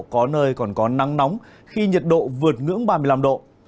có nơi còn có nắng nóng khi nhiệt độ vượt ngưỡng ba mươi năm độ